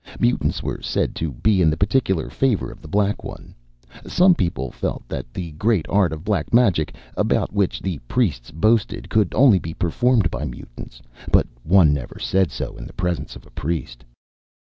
Mutants were said to be in the particular favor of The Black One. Some people felt that the great art of Black Magic, about which the priests boasted, could only be performed by a mutant; but one never said so in the presence of a priest.